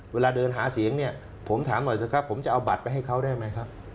เวลาเดินหาเสียงเนี่ยผมถามหน่อยสิครับผมจะเอาบัตรไปให้เขาได้ไหมครับ